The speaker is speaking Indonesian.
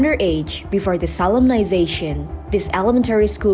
karena dia berusia kecil sebelum disalaminasi